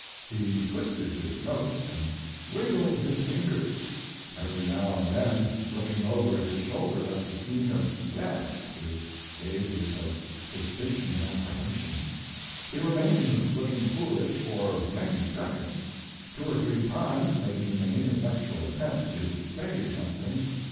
He twisted his notes and wiggled his fingers, every now and then looking over his shoulder at the scene of death with gazes of suspicion and apprehension. He remained looking foolish for many seconds, two cr three times making an ineffectual attempt to say something.